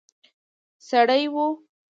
سړی وو.